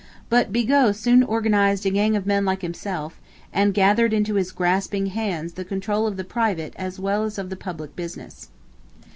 But Bigot soon organized a gang of men like himself, and gathered into his grasping hands the control of the private as well as of the public business.